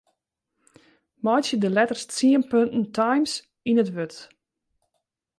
Meitsje de letters tsien punten Times yn it wurd.